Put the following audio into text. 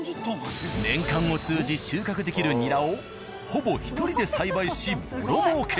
年間を通じ収穫できるニラをほぼ１人で栽培しボロ儲け！